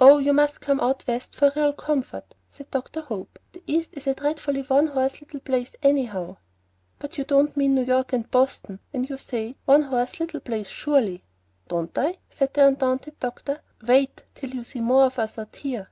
"Oh, you must come out West for real comfort," said Dr. Hope. "The East is a dreadfully one horse little place, anyhow." "But you don't mean New York and Boston when you say 'one horse little place,' surely?" "Don't I?" said the undaunted doctor. "Wait till you see more of us out here."